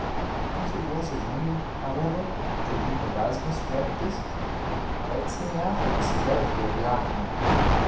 That it was a woman, however, to whom Erasmus wrote this, lets him out on the severity of the argument.